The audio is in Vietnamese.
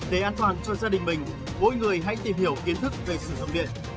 để an toàn cho gia đình mình mỗi người hãy tìm hiểu kiến thức về sử dụng điện